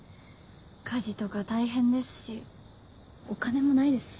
家事とか大変ですしお金もないですし。